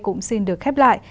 cũng xin được khép lại